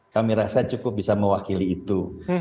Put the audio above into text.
kami rasa cukup bisa mewakili itu